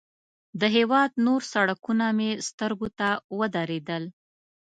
د هېواد نور سړکونه مې سترګو ته ودرېدل.